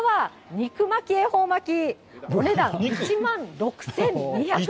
肉巻恵方巻、お値段１万６２００円。